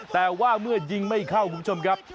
แต่ว่าเมื่อยิงไม่เข้าคุณผู้ชมครับ